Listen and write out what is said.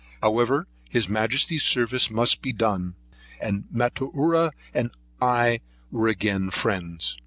However, his Majesty's service must be done, and Matuara and I were again friends.